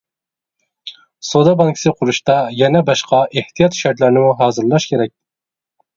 سودا بانكىسى قۇرۇشتا، يەنە باشقا ئېھتىيات شەرتلەرنىمۇ ھازىرلاش كېرەك.